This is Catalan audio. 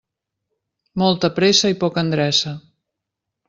Molta pressa i poca endreça.